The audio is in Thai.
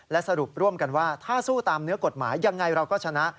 และสรุปร่วมกันว่าถ้าสู้ตามเนื้อกฎหมายยังไงเราก็ชนะ